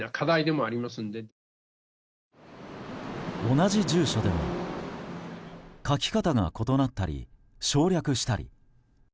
同じ住所でも書き方が異なったり省略したり。